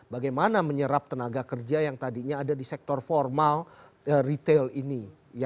bagaimana menyerap tenaga kerja yang tadinya ada di sektor formal retail ini